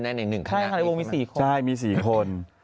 ในหนึ่งขณะอีกใช่มี๔คน